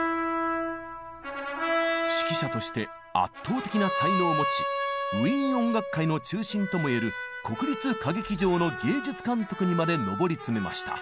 指揮者として圧倒的な才能を持ちウィーン音楽界の中心ともいえる国立歌劇場の芸術監督にまで上り詰めました。